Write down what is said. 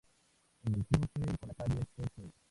En el cruce con la calle Tte.